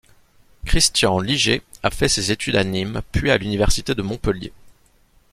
Christian Liger a fait ses études à Nîmes puis à l'Université de Montpellier.